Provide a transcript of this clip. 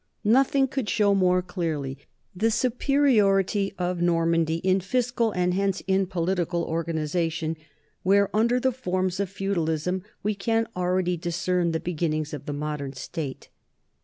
Nothing could show more clearly the superiority of Normandy in fiscal and hence in political organization, where under the forms of feudalism we can already discern the beginnings of the modern state.